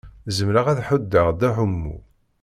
Zemreɣ ad ḥuddeɣ Dda Ḥemmu.